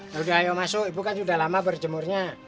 sudah ayo masuk ibu kan sudah lama berjemurnya